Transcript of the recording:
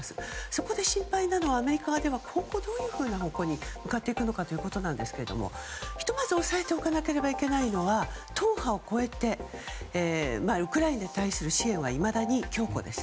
そこで心配なのがアメリカが今後、どういう方向に向かっていくのかなんですがひとまず押さえておかなければいけないのは党派を超えてウクライナに対する支援はいまだに、強固です。